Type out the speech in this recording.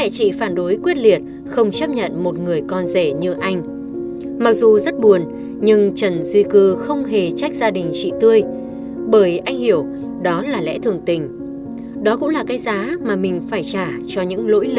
xin mời quý vị và các bạn cùng theo dõi chương trình